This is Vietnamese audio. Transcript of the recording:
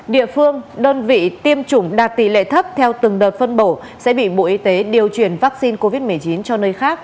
địa phương đơn vị tiêm chủng đạt tỷ lệ thấp theo từng đợt phân bổ sẽ bị bộ y tế điều chuyển vaccine covid một mươi chín cho nơi khác